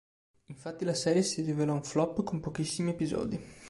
Infatti la serie si rivelò un flop con pochissimi episodi.